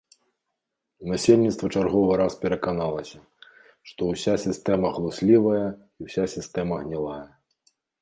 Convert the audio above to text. Насельніцтва чарговы раз пераканалася, што ўся сістэма хлуслівая і ўся сістэма гнілая.